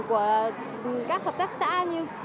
của các hợp tác xã như